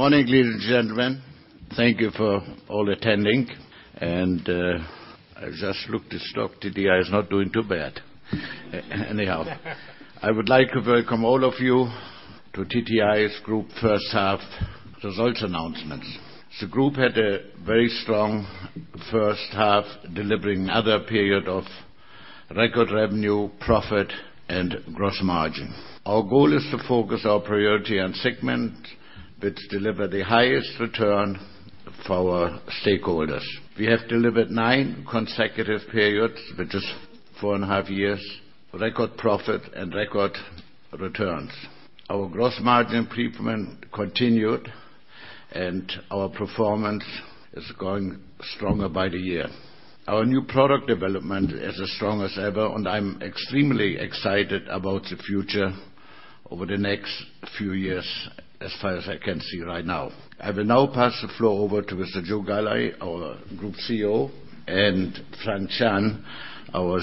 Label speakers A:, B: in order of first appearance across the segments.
A: Morning, ladies and gentlemen. Thank you for all attending. I just looked, the stock TTI is not doing too bad. Anyhow, I would like to welcome all of you to TTI's Group first half results announcements. The group had a very strong first half, delivering another period of record revenue, profit and gross margin. Our goal is to focus our priority on segments which deliver the highest return for our stakeholders. We have delivered nine consecutive periods, which is four and a half years, record profit and record returns. Our gross margin improvement continued, our performance is growing stronger by the year. Our new product development is as strong as ever, I'm extremely excited about the future over the next few years as far as I can see right now. I will now pass the floor over to Mr. Joe Galli. Our Group CEO, and Frank Chan, our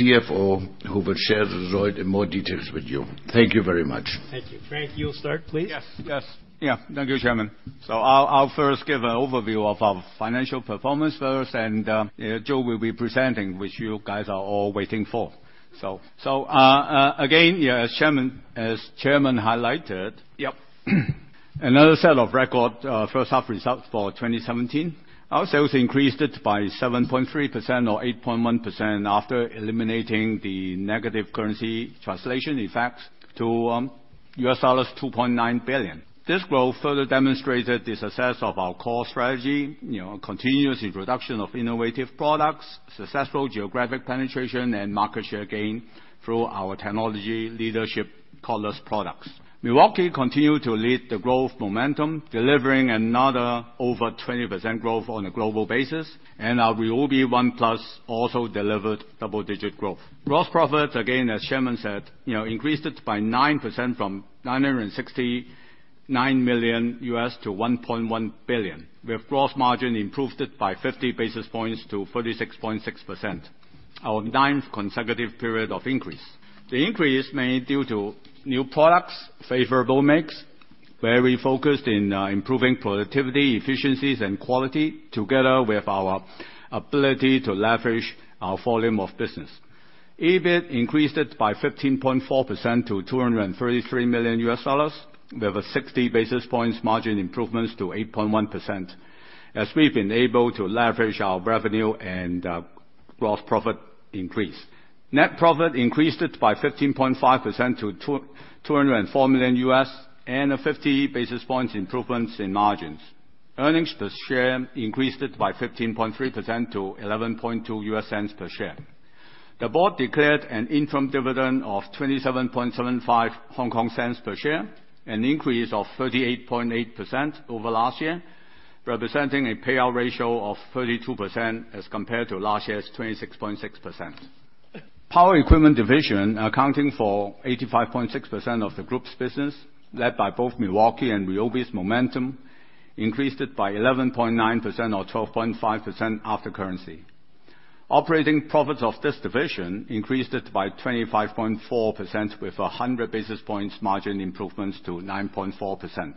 A: CFO, who will share the results in more details with you. Thank you very much.
B: Thank you. Frank, you'll start, please.
C: Yes. Thank you, Chairman. I'll first give an overview of our financial performance first, Joe will be presenting, which you guys are all waiting for. Again, as Chairman highlighted.
B: Yep.
C: Another set of record first half results for 2017. Our sales increased by 7.3% or 8.1% after eliminating the negative currency translation effects to $2.9 billion. This growth further demonstrated the success of our core strategy, continuous introduction of innovative products, successful geographic penetration, and market share gain through our technology leadership cordless products. Milwaukee continued to lead the growth momentum, delivering another over 20% growth on a global basis, and our RYOBI ONE+ also delivered double-digit growth. Gross profits, again, as Chairman said, increased by 9% from $969 million to $1.1 billion, with gross margin improved by 50 basis points to 36.6%. Our ninth consecutive period of increase. The increase is mainly due to new products, favorable mix, where we focused in improving productivity, efficiencies, and quality together with our ability to leverage our volume of business. EBIT increased by 15.4% to $233 million. We have a 60 basis points margin improvements to 8.1% as we've been able to leverage our revenue and gross profit increase. Net profit increased by 15.5% to $204 million and a 50 basis points improvements in margins. Earnings per share increased by 15.3% to $0.112 per share. The board declared an interim dividend of 0.2775 per share, an increase of 38.8% over last year, representing a payout ratio of 32% as compared to last year's 26.6%. Power equipment division accounting for 85.6% of the group's business, led by both Milwaukee and RYOBI's momentum, increased by 11.9% or 12.5% after currency. Operating profits of this division increased by 25.4% with 100 basis points margin improvements to 9.4%.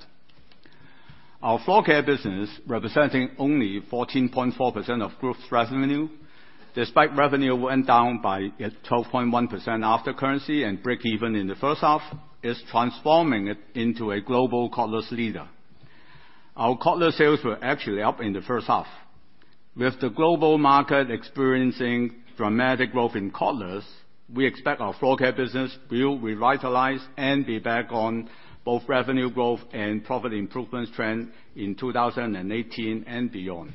C: Our floor care business, representing only 14.4% of group's revenue, despite revenue went down by 12.1% after currency and breakeven in the first half, is transforming into a global cordless leader. Our cordless sales were actually up in the first half. With the global market experiencing dramatic growth in cordless, we expect our floor care business will revitalize and be back on both revenue growth and profit improvements trend in 2018 and beyond.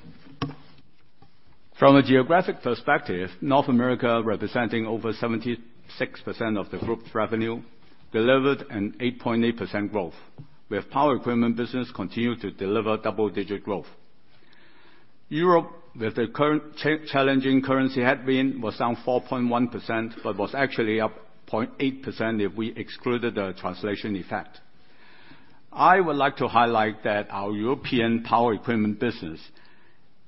C: From a geographic perspective, North America, representing over 76% of the group's revenue, delivered an 8.8% growth, with power equipment business continue to deliver double-digit growth. Europe, with the current challenging currency headwind, was down 4.1%, but was actually up 0.8% if we excluded the translation effect. I would like to highlight that our European power equipment business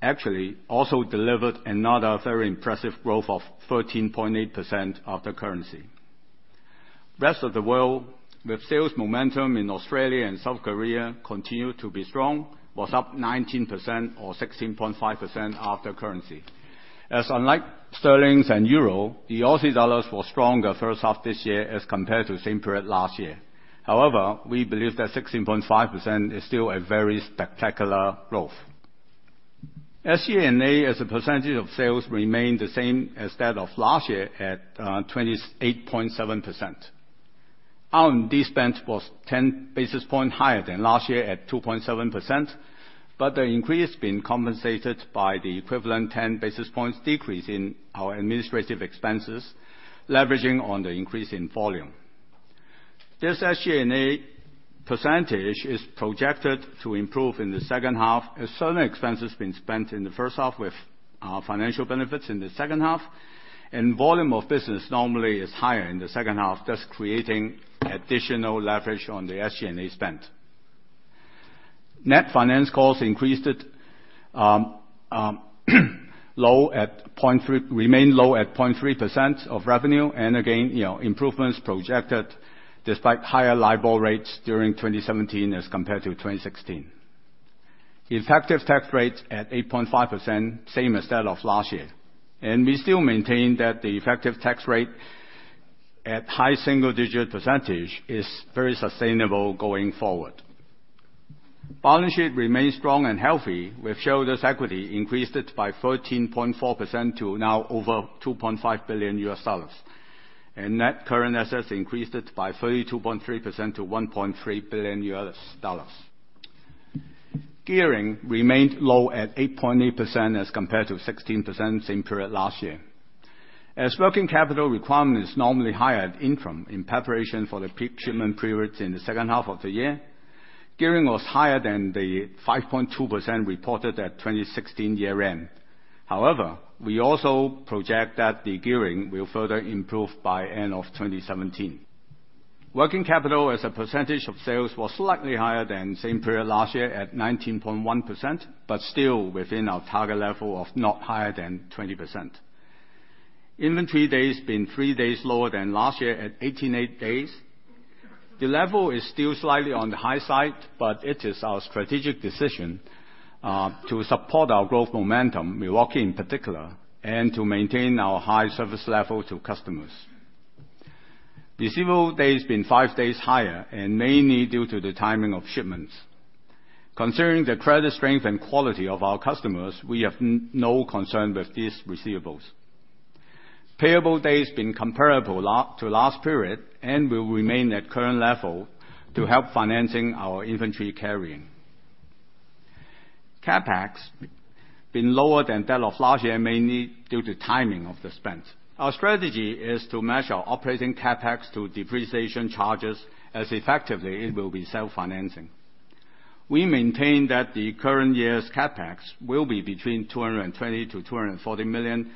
C: actually also delivered another very impressive growth of 13.8% after currency. Rest of the world, with sales momentum in Australia and South Korea continued to be strong, was up 19% or 16.5% after currency. As unlike sterling and euro, the Aussie dollar was stronger first half this year as compared to the same period last year. However, we believe that 16.5% is still a very spectacular growth. SG&A, as a percentage of sales, remained the same as that of last year at 28.7%. Our expense was 10 basis points higher than last year at 2.7%, but the increase been compensated by the equivalent 10 basis points decrease in our administrative expenses, leveraging on the increase in volume. This SG&A percentage is projected to improve in the second half as certain expenses being spent in the first half with our financial benefits in the second half, volume of business normally is higher in the second half, thus creating additional leverage on the SG&A spend. Net finance costs increased remain low at 0.3% of revenue. Again, improvements projected despite higher LIBOR rates during 2017 as compared to 2016. The effective tax rate at 8.5%, same as that of last year. We still maintain that the effective tax rate at high single-digit percentage is very sustainable going forward. Balance sheet remains strong and healthy. We've showed this equity increased it by 13.4% to now over $2.5 billion. Net current assets increased it by 32.3% to $1.3 billion. Gearing remained low at 8.8% as compared to 16% same period last year. As working capital requirement is normally higher at interim in preparation for the peak shipment periods in the second half of the year. Gearing was higher than the 5.2% reported at 2016 year end. However, we also project that the gearing will further improve by end of 2017. Working capital as a percentage of sales was slightly higher than same period last year at 19.1%, but still within our target level of not higher than 20%. Inventory days been three days lower than last year at 88 days. The level is still slightly on the high side, but it is our strategic decision, to support our growth momentum, Milwaukee in particular, and to maintain our high service level to customers. Receivable days been five days higher and mainly due to the timing of shipments. Concerning the credit strength and quality of our customers, we have no concern with these receivables. Payable days been comparable to last period and will remain at current level to help financing our inventory carrying. CapEx been lower than that of last year, mainly due to timing of the spend. Our strategy is to match our operating CapEx to depreciation charges, as effectively it will be self-financing. We maintain that the current year's CapEx will be between $220 million-$240 million.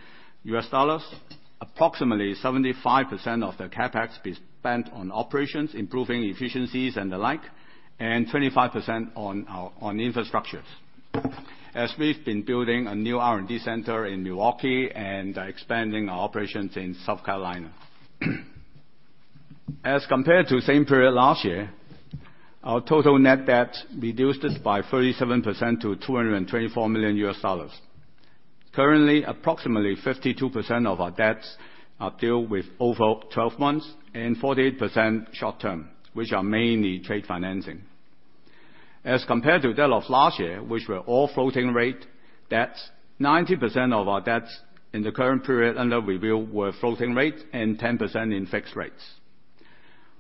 C: Approximately 75% of the CapEx be spent on operations, improving efficiencies and the like, 25% on infrastructures. As we've been building a new R&D center in Milwaukee and expanding our operations in South Carolina. As compared to same period last year, our total net debt reduced it by 37% to $224 million. Currently, approximately 52% of our debts are deal with over 12 months and 48% short-term, which are mainly trade financing. Compared to that of last year, which were all floating rate debts, 90% of our debts in the current period under review were floating rate and 10% in fixed rates.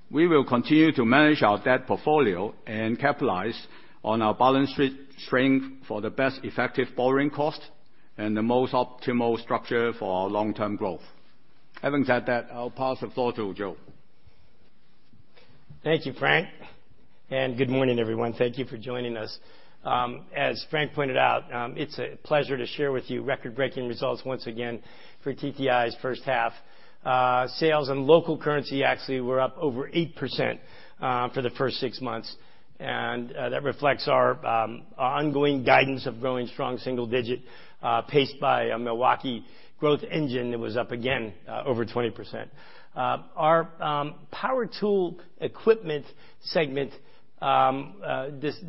C: We will continue to manage our debt portfolio and capitalize on our balance sheet strength for the best effective borrowing cost and the most optimal structure for our long-term growth. Having said that, I'll pass the floor to Joe.
B: Thank you, Frank. Good morning, everyone. Thank you for joining us. As Frank pointed out, it is a pleasure to share with you record-breaking results once again for TTI's first half. Sales in local currency actually were up over 8% for the first six months. That reflects our ongoing guidance of growing strong single digit paced by Milwaukee growth engine that was up again over 20%. Our power tool equipment segment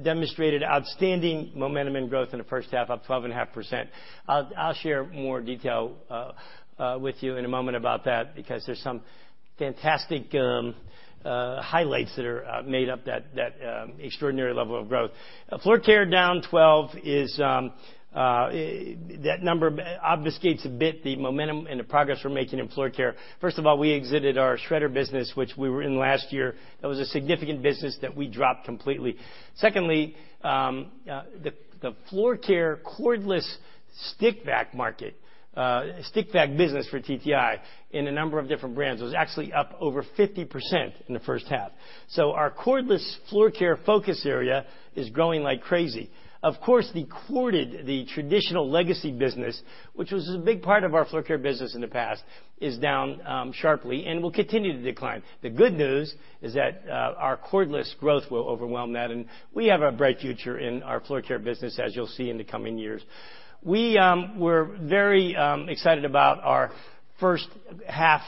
B: demonstrated outstanding momentum and growth in the first half, up 12.5%. I will share more detail with you in a moment about that because there are some fantastic highlights that are made up that extraordinary level of growth. Floor care down 12. That number obfuscates a bit the momentum and the progress we are making in floor care. First of all, we exited our shredder business, which we were in last year. That was a significant business that we dropped completely. Secondly, the floor care cordless stick vac market, stick vac business for TTI in a number of different brands, was actually up over 50% in the first half. Our cordless floor care focus area is growing like crazy. Of course, the corded, the traditional legacy business, which was a big part of our floor care business in the past, is down sharply and will continue to decline. The good news is that our cordless growth will overwhelm that, and we have a bright future in our floor care business as you will see in the coming years. We were very excited about our first half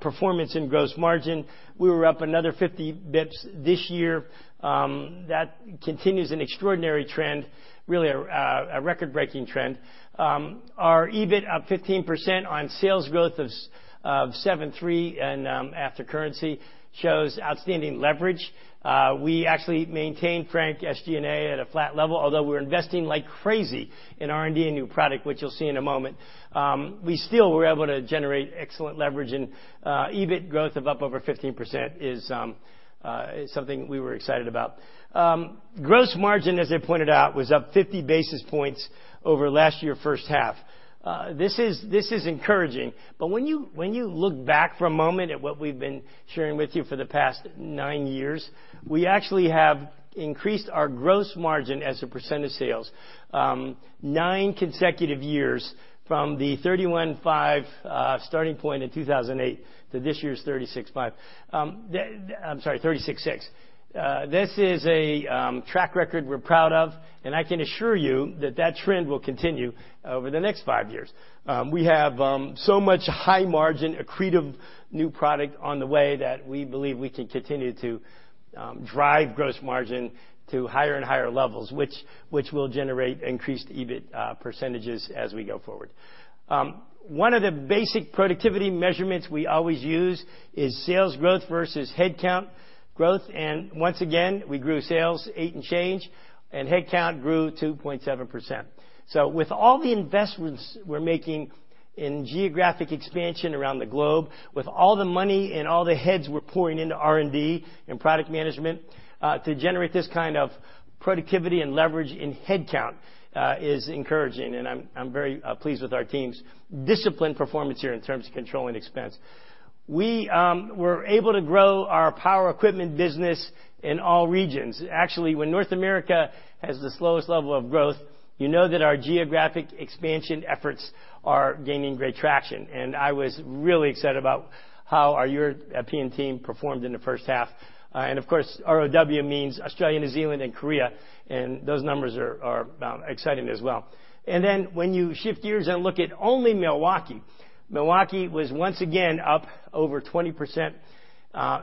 B: performance in gross margin. We were up another 50 bps this year. That continues an extraordinary trend, really a record-breaking trend. Our EBIT up 15% on sales growth of 7.3 and after currency shows outstanding leverage. We actually maintained, Frank, SG&A at a flat level, although we are investing like crazy in R&D and new product, which you will see in a moment. We still were able to generate excellent leverage and EBIT growth of up over 15% is something we were excited about. Gross margin, as I pointed out, was up 50 basis points over last year first half. This is encouraging. When you look back for a moment at what we have been sharing with you for the past nine years, we actually have increased our gross margin as a percent of sales nine consecutive years from the 31.5 starting point in 2008 to this year's 36.5. I am sorry, 36.6. This is a track record we are proud of, and I can assure you that that trend will continue over the next five years. We have so much high margin, accretive new product on the way that we believe we can continue to drive gross margin to higher and higher levels, which will generate increased EBIT percentages as we go forward. One of the basic productivity measurements we always use is sales growth versus headcount growth. Once again, we grew sales eight and change, and headcount grew 2.7%. With all the investments we are making in geographic expansion around the globe, with all the money and all the heads we are pouring into R&D and product management, to generate this kind of productivity and leverage in headcount is encouraging, and I am very pleased with our team's discipline performance here in terms of controlling expense. We were able to grow our power equipment business in all regions. Actually, when North America has the slowest level of growth, you know that our geographic expansion efforts are gaining great traction. I was really excited about how our European team performed in the first half. Of course, ROW means Australia, New Zealand, and Korea, and those numbers are exciting as well. When you shift gears and look at only Milwaukee was once again up over 20%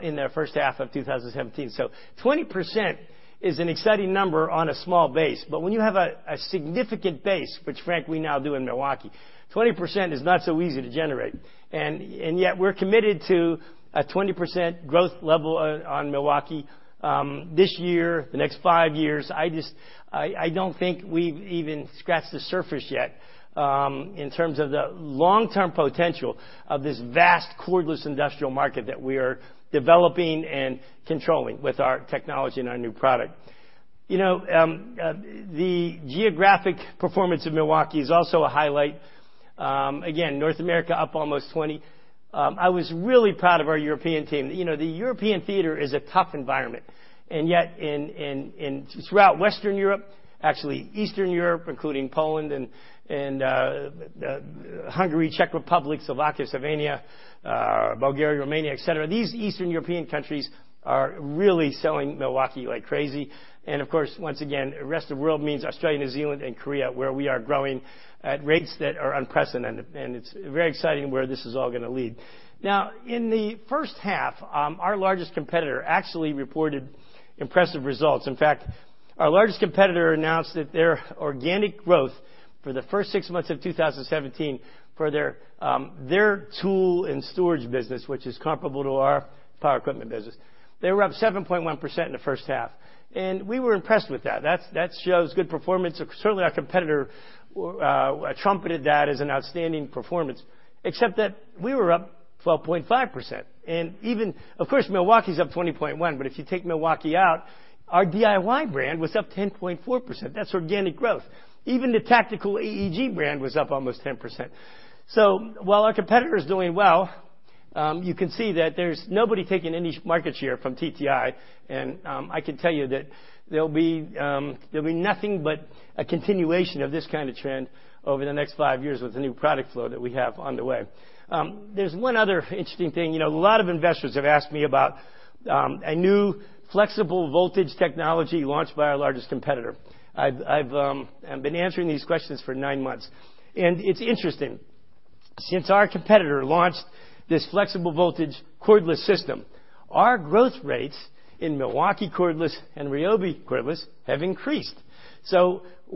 B: in their first half of 2017. 20% is an exciting number on a small base. But when you have a significant base, which frankly now do in Milwaukee, 20% is not so easy to generate. Yet we're committed to a 20% growth level on Milwaukee this year, the next five years. I don't think we've even scratched the surface yet in terms of the long-term potential of this vast cordless industrial market that we are developing and controlling with our technology and our new product. The geographic performance of Milwaukee is also a highlight. Again, North America up almost 20%. I was really proud of our European team. The European theater is a tough environment. Yet throughout Western Europe, actually Eastern Europe, including Poland and Hungary, Czech Republic, Slovakia, Slovenia, Bulgaria, Romania, et cetera, these Eastern European countries are really selling Milwaukee like crazy. Once again, Rest of World means Australia, New Zealand, and Korea, where we are growing at rates that are unprecedented. It's very exciting where this is all going to lead. In the first half, our largest competitor actually reported impressive results. In fact, our largest competitor announced that their organic growth for the first six months of 2017 for their tool and storage business, which is comparable to our power equipment business, they were up 7.1% in the first half. We were impressed with that. That shows good performance. Certainly, our competitor trumpeted that as an outstanding performance, except that we were up 12.5%. Milwaukee is up 20.1%, but if you take Milwaukee out, our DIY brand was up 10.4%. That's organic growth. Even the AEG brand was up almost 10%. While our competitor is doing well, you can see that there's nobody taking any market share from TTI, and I can tell you that there'll be nothing but a continuation of this kind of trend over the next five years with the new product flow that we have on the way. There's one other interesting thing. A lot of investors have asked me about a new FlexVolt technology launched by our largest competitor. I've been answering these questions for nine months. It's interesting. Since our competitor launched this FlexVolt cordless system, our growth rates in Milwaukee cordless and RYOBI cordless have increased.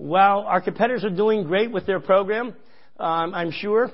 B: While our competitors are doing great with their program, I'm sure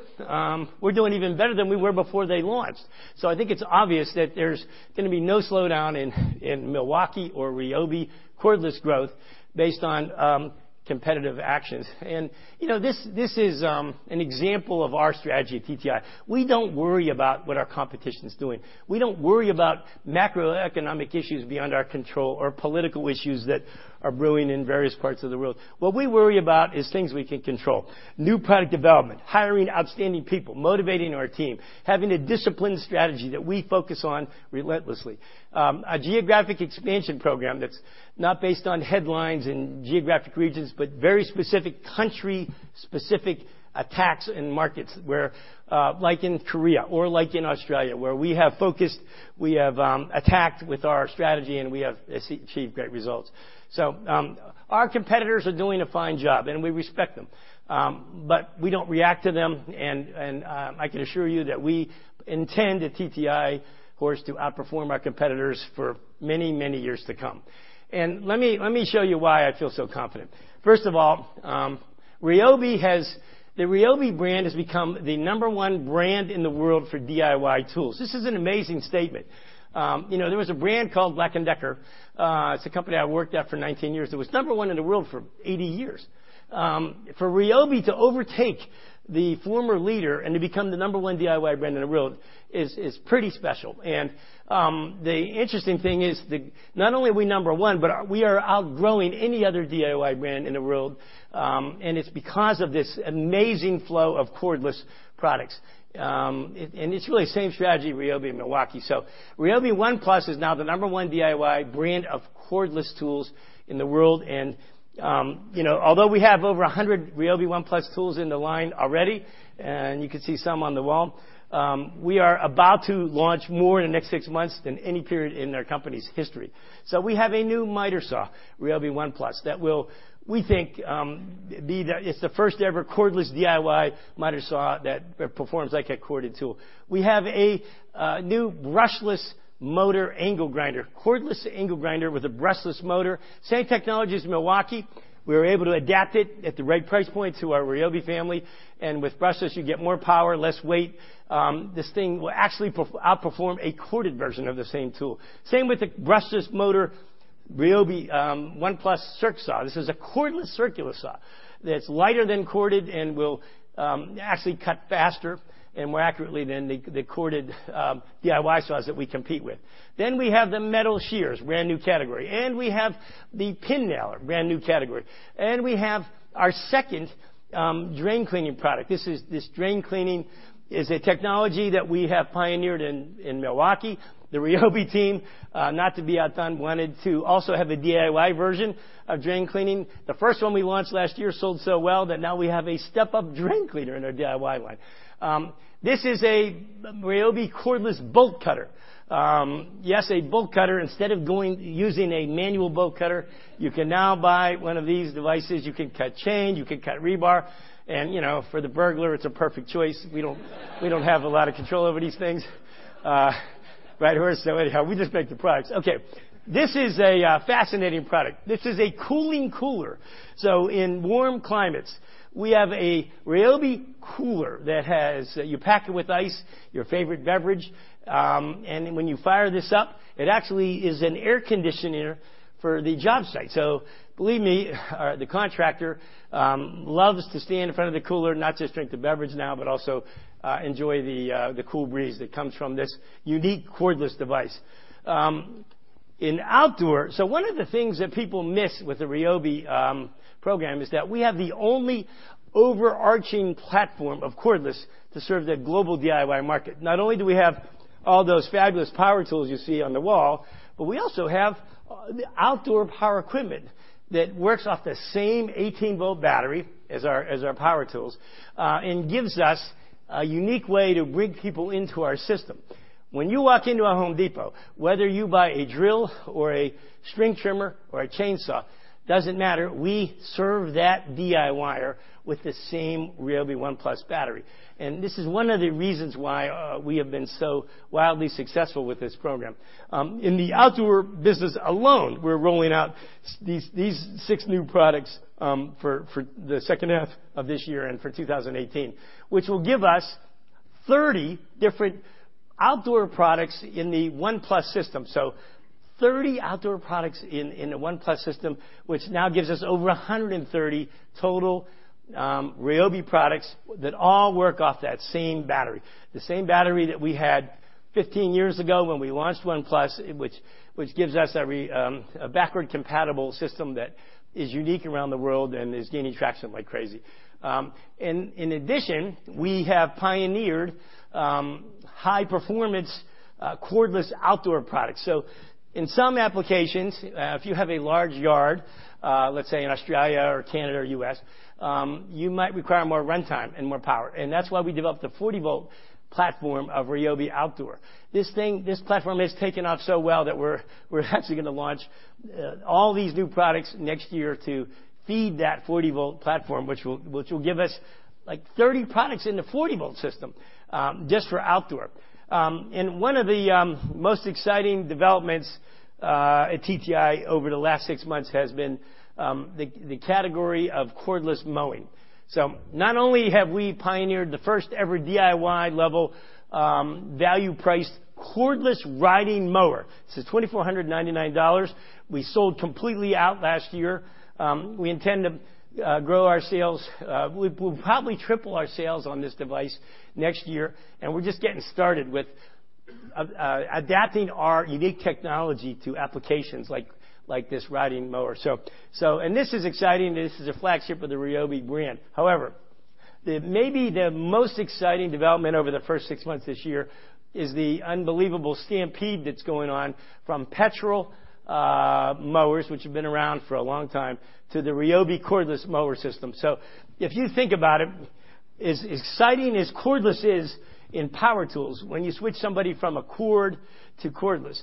B: we're doing even better than we were before they launched. I think it's obvious that there's going to be no slowdown in Milwaukee or RYOBI cordless growth based on competitive actions. This is an example of our strategy at TTI. We don't worry about what our competition is doing. We don't worry about macroeconomic issues beyond our control or political issues that are brewing in various parts of the world. What we worry about is things we can control. New product development, hiring outstanding people, motivating our team, having a disciplined strategy that we focus on relentlessly. A geographic expansion program that's not based on headlines and geographic regions, but very specific country-specific attacks in markets like in Korea or like in Australia, where we have focused, we have attacked with our strategy, and we have achieved great results. Our competitors are doing a fine job, and we respect them. We don't react to them, and I can assure you that we intend at TTI, of course, to outperform our competitors for many, many years to come. Let me show you why I feel so confident. First of all, the RYOBI brand has become the number one brand in the world for DIY tools. This is an amazing statement. There was a brand called Black & Decker. It's a company I worked at for 19 years. It was number one in the world for 80 years. For RYOBI to overtake the former leader and to become the number one DIY brand in the world is pretty special. The interesting thing is that not only are we number one, but we are outgrowing any other DIY brand in the world, and it's because of this amazing flow of cordless products. It's really the same strategy, RYOBI and Milwaukee. RYOBI ONE+ is now the number one DIY brand of cordless tools in the world. Although we have over 100 RYOBI ONE+ tools in the line already, and you can see some on the wall, we are about to launch more in the next six months than any period in our company's history. We have a new miter saw, RYOBI ONE+, that will, we think, it's the first-ever cordless DIY miter saw that performs like a corded tool. We have a new brushless motor angle grinder, cordless angle grinder with a brushless motor. Same technology as Milwaukee. We were able to adapt it at the right price point to our RYOBI family. With brushless, you get more power, less weight. This thing will actually outperform a corded version of the same tool. Same with the brushless motor RYOBI ONE+ circ saw. This is a cordless circular saw that's lighter than corded and will actually cut faster and more accurately than the corded DIY saws that we compete with. We have the metal shears, brand-new category. We have the pin nailer, brand-new category. We have our second drain cleaning product. This drain cleaning is a technology that we have pioneered in Milwaukee. The RYOBI team, not to be outdone, wanted to also have a DIY version of drain cleaning. The first one we launched last year sold so well that now we have a step-up drain cleaner in our DIY line. This is a RYOBI cordless bolt cutter. Yes, a bolt cutter. Instead of using a manual bolt cutter, you can now buy one of these devices. You can cut chain, you can cut rebar. For the burglar, it's a perfect choice. We don't have a lot of control over these things. Right, Horst? Anyhow, we just make the products. Okay. This is a fascinating product. This is a cooling cooler. In warm climates, we have a RYOBI cooler that you pack it with ice, your favorite beverage, and when you fire this up, it actually is an air conditioner for the job site. Believe me, the contractor loves to stand in front of the cooler, not just drink the beverage now, but also enjoy the cool breeze that comes from this unique cordless device. One of the things that people miss with the RYOBI program is that we have the only overarching platform of cordless to serve the global DIY market. Not only do we have all those fabulous power tools you see on the wall, but we also have outdoor power equipment that works off the same 18-volt battery as our power tools and gives us a unique way to bring people into our system. When you walk into a Home Depot, whether you buy a drill or a string trimmer or a chainsaw, doesn't matter, we serve that DIYer with the same RYOBI ONE+ battery. This is one of the reasons why we have been so wildly successful with this program. In the outdoor business alone, we're rolling out these six new products for the second half of this year and for 2018, which will give us 30 different outdoor products in the ONE+ system. 30 outdoor products in the ONE+ system, which now gives us over 130 total RYOBI products that all work off that same battery, the same battery that we had 15 years ago when we launched ONE+, which gives us a backward-compatible system that is unique around the world and is gaining traction like crazy. In addition, we have pioneered high-performance cordless outdoor products. In some applications, if you have a large yard, let's say in Australia or Canada or U.S., you might require more runtime and more power. That's why we developed the 40-volt platform of RYOBI outdoor. This platform has taken off so well that we're actually going to launch all these new products next year to feed that 40-volt platform, which will give us like 30 products in the 40-volt system just for outdoor. One of the most exciting developments at TTI over the last six months has been the category of cordless mowing. Not only have we pioneered the first-ever DIY level value-priced cordless riding mower. This is $2,499. We sold completely out last year. We intend to grow our sales. We'll probably triple our sales on this device next year, we're just getting started with adapting our unique technology to applications like this riding mower. This is exciting. This is a flagship of the RYOBI brand. However, maybe the most exciting development over the first six months this year is the unbelievable stampede that's going on from petrol mowers, which have been around for a long time, to the RYOBI cordless mower system. If you think about it, as exciting as cordless is in power tools, when you switch somebody from a cord- to cordless.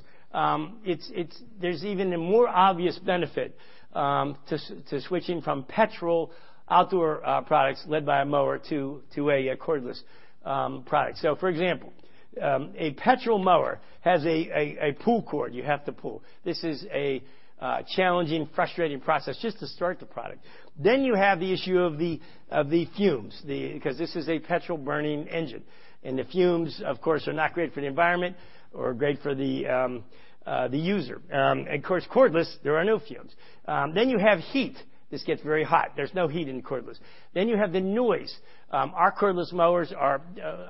B: There's even a more obvious benefit to switching from petrol outdoor products led by a mower to a cordless product. For example, a petrol mower has a pull cord you have to pull. This is a challenging, frustrating process just to start the product. You have the issue of the fumes, because this is a petrol-burning engine, the fumes, of course, are not great for the environment or great for the user. Of course, cordless, there are no fumes. You have heat. This gets very hot. There's no heat in cordless. You have the noise. Our cordless mowers are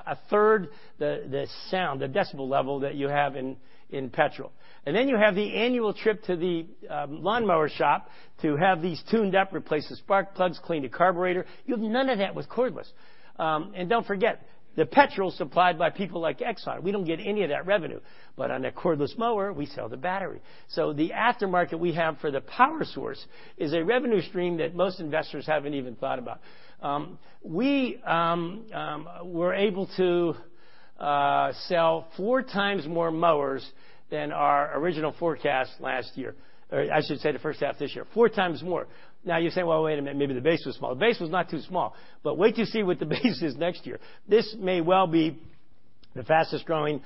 B: a third the sound, the decibel level that you have in petrol. You have the annual trip to the lawnmower shop to have these tuned up, replace the spark plugs, clean the carburetor. You'll have none of that with cordless. Don't forget, the petrol is supplied by people like Exxon. We don't get any of that revenue. On a cordless mower, we sell the battery. The aftermarket we have for the power source is a revenue stream that most investors haven't even thought about. We were able to sell four times more mowers than our original forecast last year, or I should say the first half of this year. Four times more. You say, "Well, wait a minute, maybe the base was small." The base was not too small. Wait till you see what the base is next year. This may well be the fastest-growing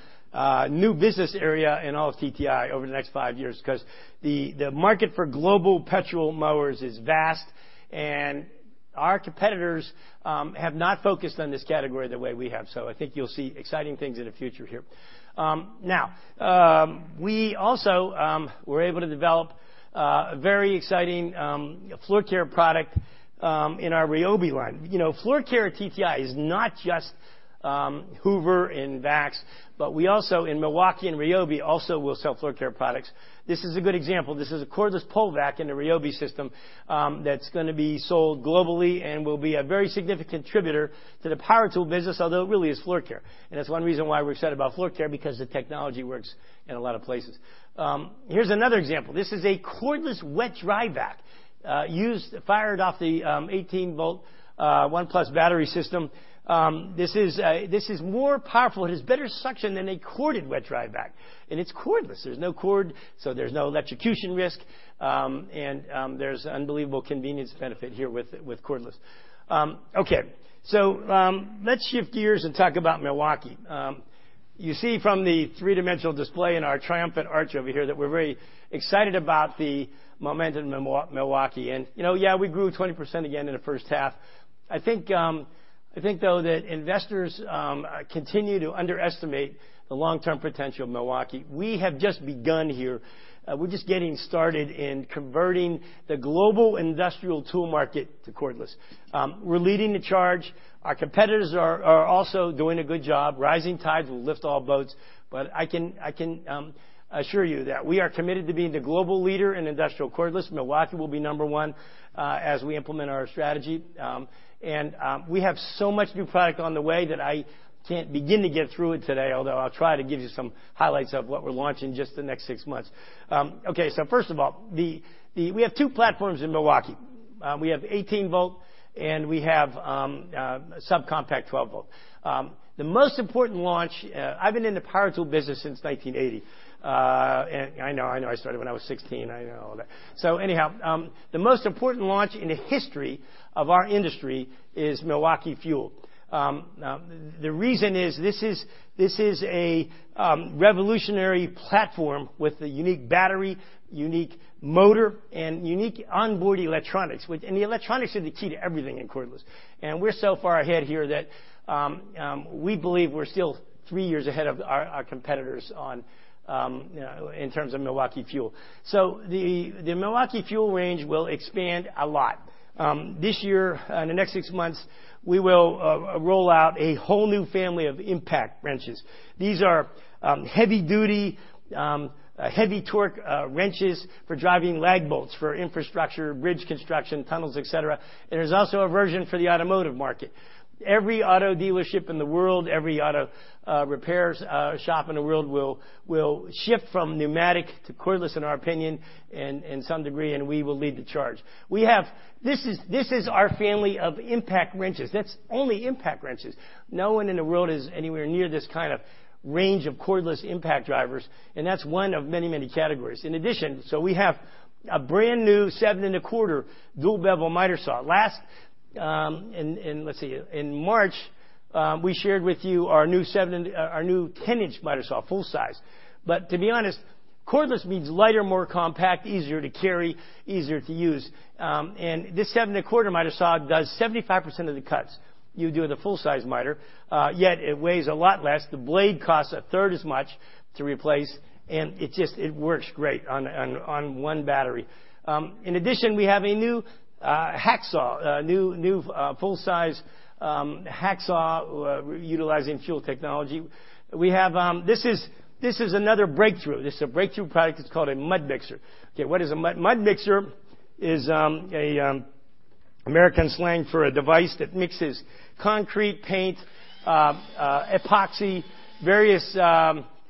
B: new business area in all of TTI over the next five years because the market for global petrol mowers is vast, our competitors have not focused on this category the way we have. I think you'll see exciting things in the future here. We also were able to develop a very exciting floor care product in our RYOBI line. Floor care at TTI is not just Hoover and Vax, but we also, in Milwaukee and RYOBI, also will sell floor care products. This is a good example. This is a cordless pull vac in the RYOBI system that's going to be sold globally and will be a very significant contributor to the power tool business, although it really is floor care. That's one reason why we're excited about floor care, because the technology works in a lot of places. Here's another example. This is a cordless wet/dry vac, fired off the 18-volt ONE+ battery system. This is more powerful. It has better suction than a corded wet/dry vac, it's cordless. There's no cord, there's no electrocution risk. There's an unbelievable convenience benefit here with cordless. Okay. Let's shift gears and talk about Milwaukee. You see from the three-dimensional display in our triumphant arch over here that we're very excited about the momentum in Milwaukee. Yeah, we grew 20% again in the first half. I think, though, that investors continue to underestimate the long-term potential of Milwaukee. We have just begun here. We're just getting started in converting the global industrial tool market to cordless. We're leading the charge. Our competitors are also doing a good job. Rising tides will lift all boats. I can assure you that we are committed to being the global leader in industrial cordless. Milwaukee will be number one as we implement our strategy. We have so much new product on the way that I can't begin to get through it today, although I'll try to give you some highlights of what we're launching just in the next six months. Okay. First of all, we have two platforms in Milwaukee. We have 18 volt, and we have subcompact 12 volt. The most important launch-- I've been in the power tool business since 1980. I know. I started when I was 16. I know all that. Anyhow, the most important launch in the history of our industry is Milwaukee FUEL. The reason is, this is a revolutionary platform with a unique battery, unique motor, and unique onboard electronics. The electronics are the key to everything in cordless. We're so far ahead here that we believe we're still three years ahead of our competitors in terms of Milwaukee FUEL. The Milwaukee FUEL range will expand a lot. This year, in the next six months, we will roll out a whole new family of impact wrenches. These are heavy-duty, heavy-torque wrenches for driving lag bolts for infrastructure, bridge construction, tunnels, et cetera. There's also a version for the automotive market. Every auto dealership in the world, every auto repair shop in the world will shift from pneumatic to cordless, in our opinion, in some degree. We will lead the charge. This is our family of impact wrenches. That's only impact wrenches. No one in the world is anywhere near this kind of range of cordless impact drivers, and that's one of many, many categories. In addition, we have a brand-new 7.25 dual bevel miter saw. Last, let's see, in March, we shared with you our new 10-inch miter saw, full size. To be honest, cordless means lighter, more compact, easier to carry, easier to use. This 7.25 miter saw does 75% of the cuts you do with a full size miter, yet it weighs a lot less. The blade costs a third as much to replace, and it works great on one battery. In addition, we have a new hacksaw, a new full-size hacksaw utilizing FUEL technology. This is another breakthrough. This is a breakthrough product. It's called a mud mixer. Okay, what is a mud mixer? American slang for a device that mixes concrete paint, epoxy, various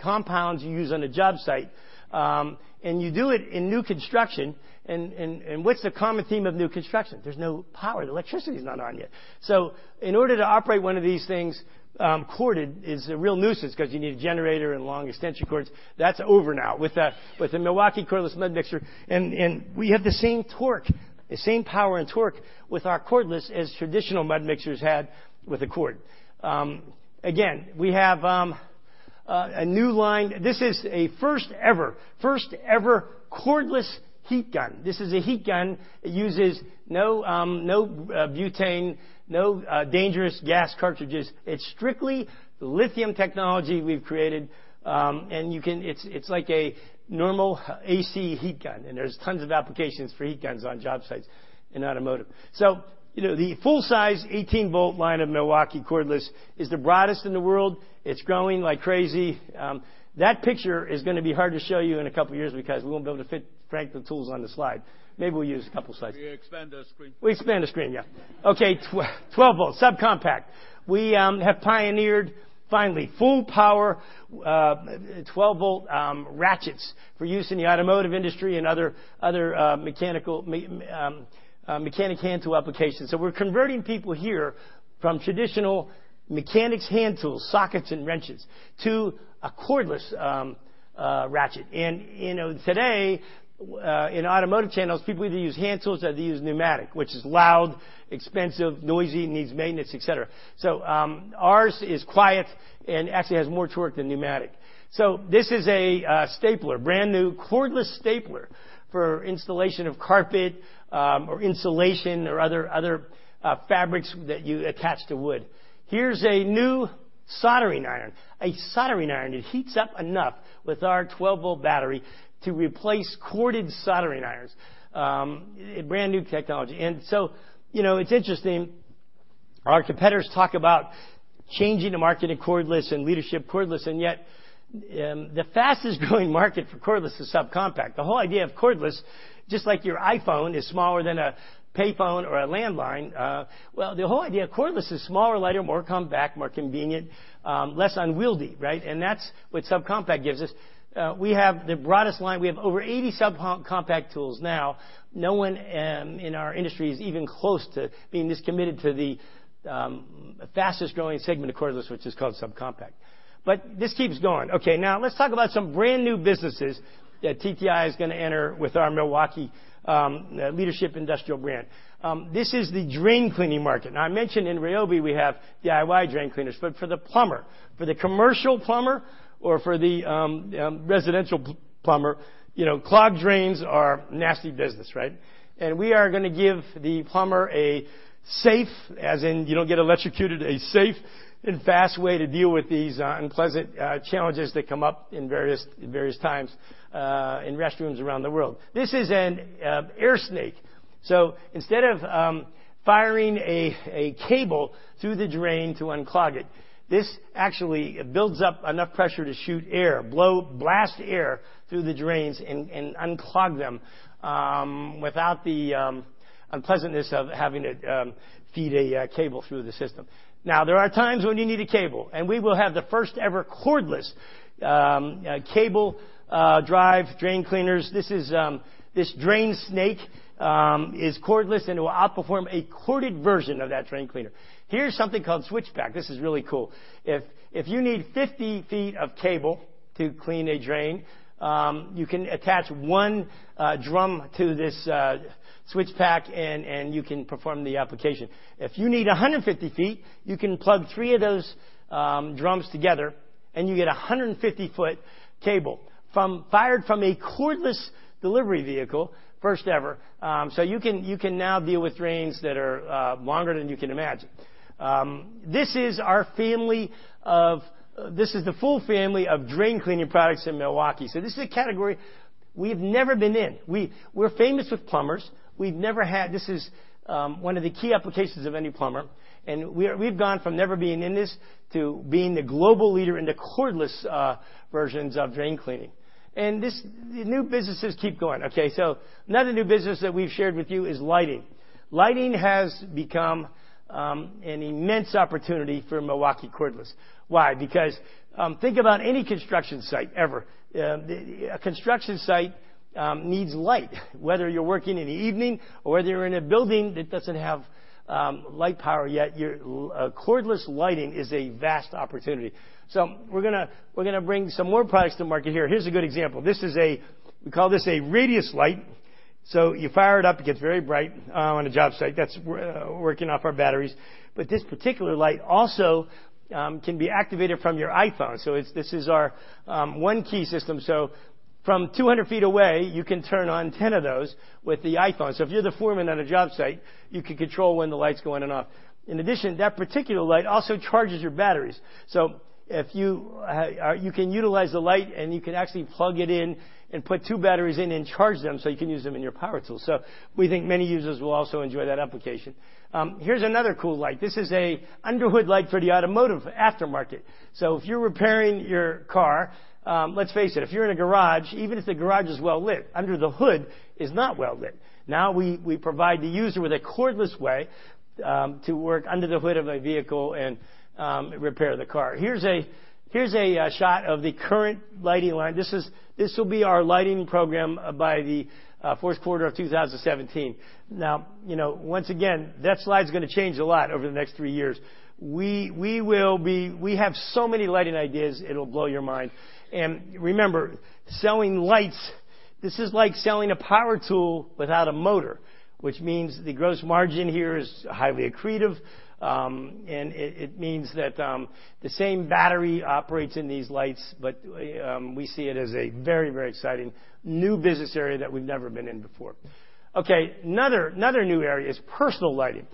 B: compounds you use on a job site, and you do it in new construction. What's the common theme of new construction? There's no power. The electricity's not on yet. In order to operate one of these things, corded is a real nuisance because you need a generator and long extension cords. That's over now with the Milwaukee cordless mud mixer. We have the same torque, the same power, and torque with our cordless as traditional mud mixers had with a cord. Again, we have a new line. This is a first ever cordless heat gun. This is a heat gun. It uses no butane, no dangerous gas cartridges. It's strictly the lithium technology we've created. It's like a normal AC heat gun, there's tons of applications for heat guns on job sites in automotive. The full-size 18-volt line of Milwaukee cordless is the broadest in the world. It's growing like crazy. That picture is going to be hard to show you in a couple of years because we won't be able to fit, frankly, the tools on the slide. Maybe we'll use a couple slides.
C: We expand the screen.
B: We expand the screen. 12-volt subcompact. We have pioneered finally full power 12-volt ratchets for use in the automotive industry and other mechanic hand tool applications. We're converting people here from traditional mechanics hand tools, sockets and wrenches, to a cordless ratchet. Today, in automotive channels, people either use hand tools or they use pneumatic, which is loud, expensive, noisy, needs maintenance, et cetera. Ours is quiet and actually has more torque than pneumatic. This is a stapler, brand-new cordless stapler for installation of carpet or insulation or other fabrics that you attach to wood. Here's a new soldering iron. A soldering iron. It heats up enough with our 12-volt battery to replace corded soldering irons. A brand-new technology. It's interesting, our competitors talk about changing the market in cordless and leadership cordless, and yet the fastest-growing market for cordless is subcompact. The whole idea of cordless, just like your iPhone, is smaller than a payphone or a landline. The whole idea of cordless is smaller, lighter, more compact, more convenient, less unwieldy, right? That's what subcompact gives us. We have the broadest line. We have over 80 subcompact tools now. No one in our industry is even close to being this committed to the fastest-growing segment of cordless, which is called subcompact. This keeps going. Let's talk about some brand-new businesses that TTI is going to enter with our Milwaukee leadership industrial brand. This is the drain cleaning market. I mentioned in RYOBI we have DIY drain cleaners, but for the plumber, for the commercial plumber or for the residential plumber, clogged drains are a nasty business, right? We are going to give the plumber a safe, as in you don't get electrocuted, a safe and fast way to deal with these unpleasant challenges that come up in various times in restrooms around the world. This is an AirSnake. Instead of firing a cable through the drain to unclog it, this actually builds up enough pressure to shoot air, blast air through the drains and unclog them without the unpleasantness of having to feed a cable through the system. There are times when you need a cable, we will have the first-ever cordless cable drive drain cleaners. This drain snake is cordless, it will outperform a corded version of that drain cleaner. Here's something called SWITCH PACK. This is really cool. If you need 50 feet of cable to clean a drain, you can attach one drum to this SWITCH PACK, you can perform the application. If you need 150 feet, you can plug three of those drums together, you get a 150-foot cable fired from a cordless delivery vehicle, first ever. You can now deal with drains that are longer than you can imagine. This is the full family of drain cleaning products in Milwaukee. This is a category we've never been in. We're famous with plumbers. This is one of the key applications of any plumber, and we've gone from never being in this to being the global leader in the cordless versions of drain cleaning. The new businesses keep going. Okay, another new business that we've shared with you is lighting. Lighting has become an immense opportunity for Milwaukee cordless. Why? Think about any construction site ever. A construction site needs light, whether you're working in the evening or whether you're in a building that doesn't have light power yet. Cordless lighting is a vast opportunity. We're going to bring some more products to the market here. Here's a good example. We call this a RADIUS light. You fire it up, it gets very bright on a job site. That's working off our batteries. But this particular light also can be activated from your iPhone. This is our ONE-KEY system. From 200 feet away, you can turn on 10 of those with the iPhone. If you're the foreman at a job site, you can control when the lights go on and off. In addition, that particular light also charges your batteries. You can utilize the light, and you can actually plug it in and put two batteries in and charge them so you can use them in your power tool. We think many users will also enjoy that application. Here's another cool light. This is an under hood light for the automotive aftermarket. If you're repairing your car, let's face it, if you're in a garage, even if the garage is well lit, under the hood is not well lit. Now we provide the user with a cordless way to work under the hood of a vehicle and repair the car. Here's a shot of the current lighting line. This will be our lighting program by the fourth quarter of 2017. Once again, that slide's going to change a lot over the next three years. We have so many lighting ideas, it'll blow your mind. Remember, selling lights, this is like selling a power tool without a motor, which means the gross margin here is highly accretive. It means that the same battery operates in these lights, we see it as a very exciting new business area that we've never been in before. Okay, another new area is personal lighting.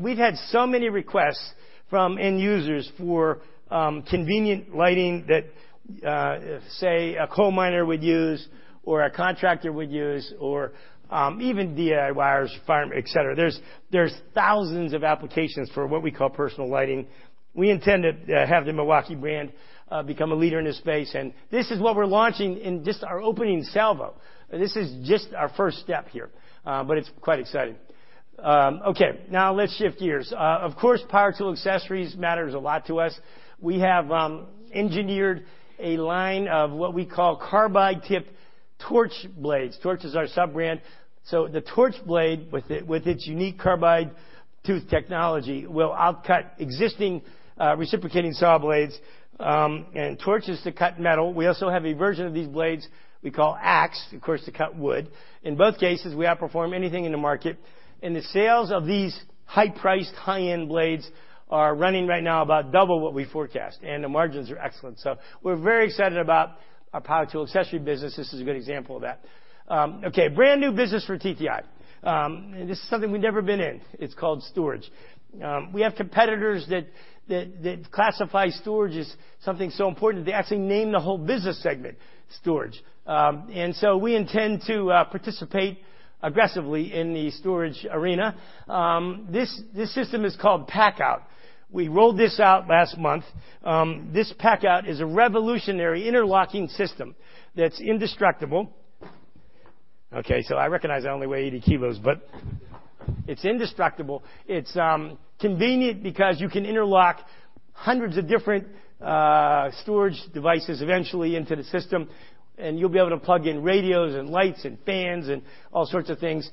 B: We've had so many requests from end users for convenient lighting that, say, a coal miner would use or a contractor would use, or even DIYers, et cetera. There's thousands of applications for what we call personal lighting. We intend to have the Milwaukee brand become a leader in this space, this is what we're launching in just our opening salvo. This is just our first step here. It's quite exciting. Okay, let's shift gears. Of course, power tool accessories matters a lot to us. We have engineered a line of what we call carbide-tipped TORCH blades. TORCH is our sub-brand. The TORCH blade, with its unique carbide tooth technology, will outcut existing reciprocating saw blades and TORCH to cut metal. We also have a version of these blades we call AXE, of course, to cut wood. In both cases, we outperform anything in the market, the sales of these high-priced, high-end blades are running right now about double what we forecast, and the margins are excellent. We're very excited about our power tool accessory business. This is a good example of that. Brand new business for TTI. This is something we've never been in. It's called storage. We have competitors that classify storage as something so important they actually name the whole business segment storage. We intend to participate aggressively in the storage arena. This system is called PACKOUT. We rolled this out last month. This PACKOUT is a revolutionary interlocking system that's indestructible. I recognize I only weigh 80 kilos, but it's indestructible. It's convenient because you can interlock hundreds of different storage devices eventually into the system, and you'll be able to plug in radios and lights and fans and all sorts of things.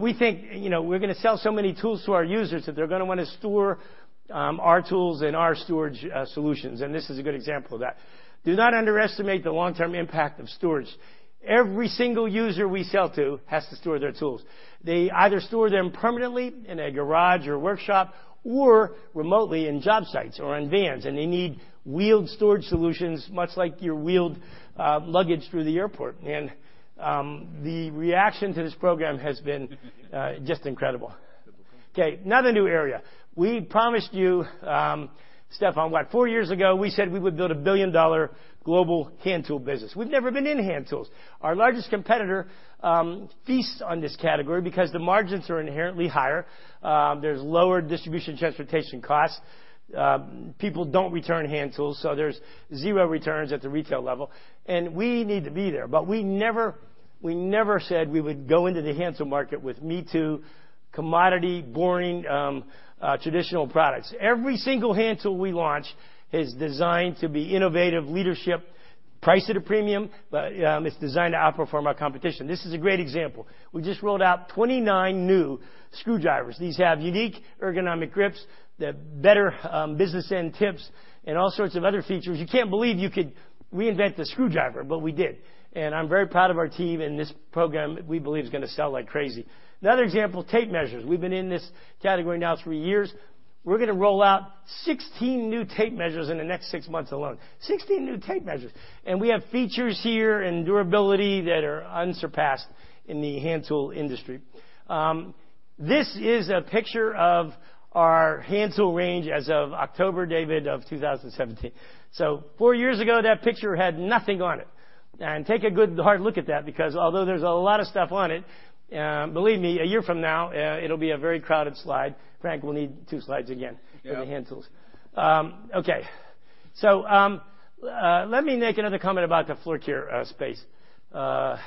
B: We think we're going to sell so many tools to our users that they're going to want to store our tools and our storage solutions. This is a good example of that. Do not underestimate the long-term impact of storage. Every single user we sell to has to store their tools. They either store them permanently in a garage or workshop, or remotely in job sites or in vans, they need wheeled storage solutions, much like your wheeled luggage through the airport. The reaction to this program has been just incredible. Another new area. We promised you, Stephan, what, four years ago, we said we would build a billion-dollar global hand tool business. We've never been in hand tools. Our largest competitor feasts on this category because the margins are inherently higher. There's lower distribution transportation costs. People don't return hand tools, there's zero returns at the retail level. We need to be there. We never said we would go into the hand tool market with me-too commodity, boring, traditional products. Every single hand tool we launch is designed to be innovative leadership, priced at a premium, but it's designed to outperform our competition. This is a great example. We just rolled out 29 new screwdrivers. These have unique ergonomic grips, they have better business end tips, and all sorts of other features. You can't believe you could reinvent the screwdriver, we did. I'm very proud of our team and this program we believe is going to sell like crazy. Another example, tape measures. We've been in this category now three years. We're going to roll out 16 new tape measures in the next six months alone. 16 new tape measures. We have features here and durability that are unsurpassed in the hand tool industry. This is a picture of our hand tool range as of October, David, of 2017. Four years ago, that picture had nothing on it. Take a good hard look at that, because although there's a lot of stuff on it, believe me, a year from now, it'll be a very crowded slide. Frank will need two slides again-
D: Yeah
B: for the hand tools. Okay. Let me make another comment about the floor care space. Floor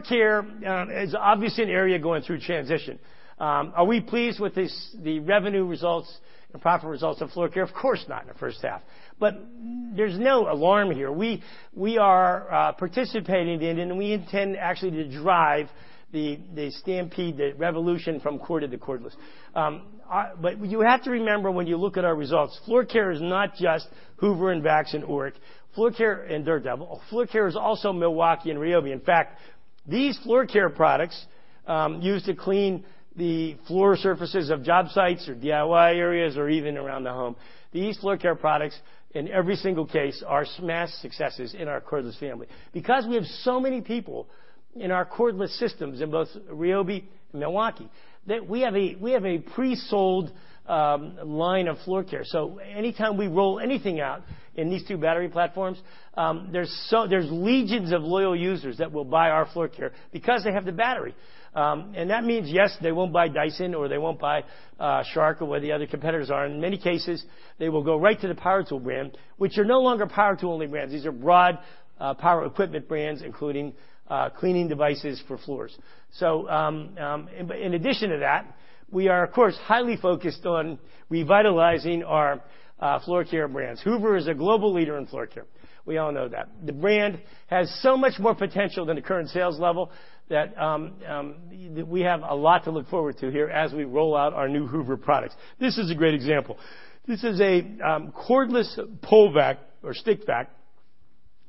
B: care is obviously an area going through transition. Are we pleased with the revenue results and profit results of floor care? Of course not in the first half. There's no alarm here. We are participating in it, and we intend actually to drive the stampede, the revolution from corded to cordless. You have to remember when you look at our results, floor care is not just Hoover and Vax and Oreck. Floor care and Dirt Devil. Floor care is also Milwaukee and RYOBI. In fact, these floor care products used to clean the floor surfaces of job sites or DIY areas or even around the home. These floor care products, in every single case, are mass successes in our cordless family. We have so many people in our cordless systems in both RYOBI and Milwaukee, that we have a pre-sold line of floor care. Anytime we roll anything out in these two battery platforms, there's legions of loyal users that will buy our floor care because they have the battery. That means, yes, they won't buy Dyson or they won't buy Shark or whatever the other competitors are. In many cases, they will go right to the power tool brand, which are no longer power tool only brands. These are broad power equipment brands, including cleaning devices for floors. In addition to that, we are, of course, highly focused on revitalizing our floor care brands. Hoover is a global leader in floor care. We all know that. The brand has so much more potential than the current sales level that we have a lot to look forward to here as we roll out our new Hoover products. This is a great example. This is a cordless pull vac or stick vac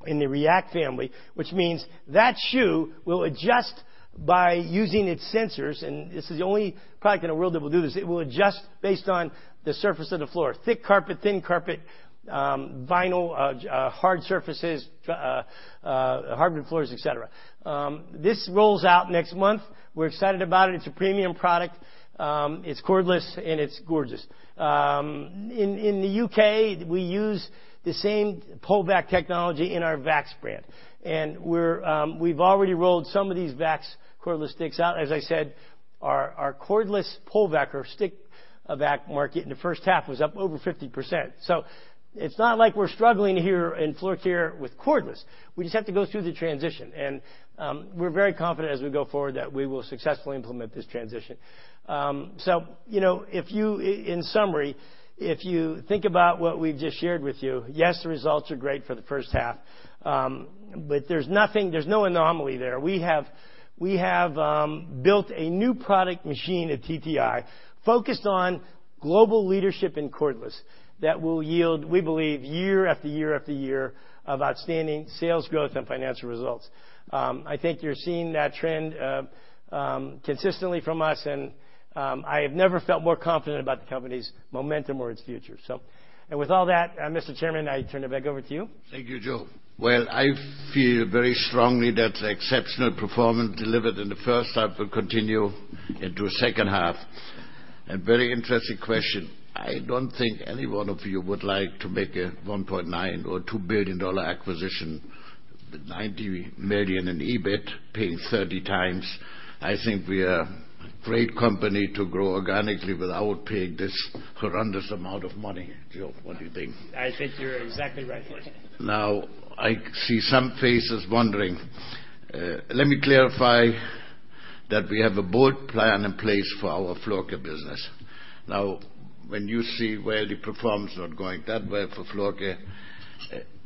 B: in the REACT family, which means that shoe will adjust by using its sensors, and this is the only product in the world that will do this. It will adjust based on the surface of the floor, thick carpet, thin carpet, vinyl, hard surfaces, hardwood floors, et cetera. This rolls out next month. We're excited about it. It's a premium product. It's cordless and it's gorgeous. In the U.K., we use the same pole vac technology in our Vax brand. We've already rolled some of these Vax cordless sticks out. As I said, our cordless pole vac or stick vac market in the first half was up over 50%. It's not like we're struggling here in floor care with cordless. We just have to go through the transition. We're very confident as we go forward that we will successfully implement this transition. In summary, if you think about what we've just shared with you, yes, the results are great for the first half, but there's no anomaly there. We have built a new product machine at TTI focused on global leadership in cordless that will yield, we believe, year after year after year of outstanding sales growth and financial results. I think you're seeing that trend consistently from us, and I have never felt more confident about the company's momentum or its future. With all that, Mr. Chairman, I turn it back over to you.
A: Thank you, Joe. Well, I feel very strongly that the exceptional performance delivered in the first half will continue into second half. A very interesting question. I don't think any one of you would like to make a $1.9 billion or $2 billion acquisition, with $90 million in EBIT, paying 30 times. I think we are a great company to grow organically without paying this horrendous amount of money. Joe, what do you think?
B: I think you're exactly right, Horst.
A: I see some faces wondering. Let me clarify that we have a bold plan in place for our floor care business. When you see where the performance not going that way for floor care,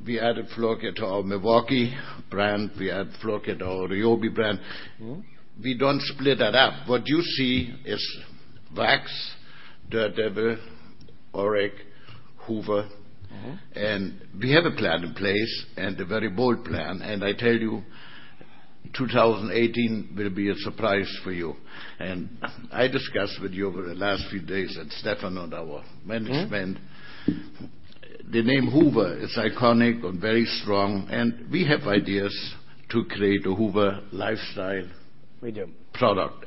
A: we added floor care to our Milwaukee brand. We add floor care to our RYOBI brand. We don't split that up. What you see is Vax, Dirt Devil, Oreck, Hoover, and we have a plan in place, and a very bold plan. I tell you, 2018 will be a surprise for you. I discussed with you over the last few days, and Stephan and our management. The name Hoover is iconic and very strong, and we have ideas to create a Hoover lifestyle-
B: We do
A: product.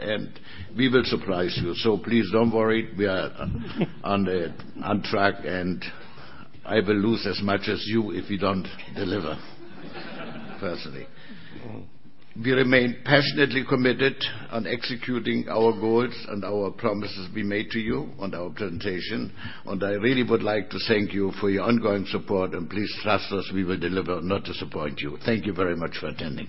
A: We will surprise you. Please don't worry. We are on track. I will lose as much as you if we don't deliver. Personally. We remain passionately committed on executing our goals and our promises we made to you on our presentation. I really would like to thank you for your ongoing support. Please trust us we will deliver, not disappoint you. Thank you very much for attending.